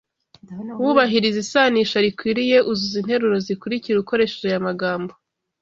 Wubahiriza isanisha rikwiye uzuza interuro zikurikira ukoresheje aya magambo